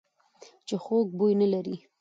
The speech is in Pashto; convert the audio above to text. چې خوږ بوی نه لري .